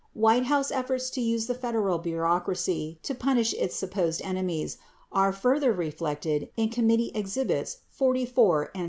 52 White House efforts to use the Federal bureaucracy to punish its supposed enemies are further reflected in committee exhibits 44 and 65.